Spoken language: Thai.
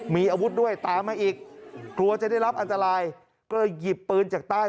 มีอาวุธด้วยตามมาอีกกลัวจะได้รับอันตรายก็เลยหยิบปืนจากใต้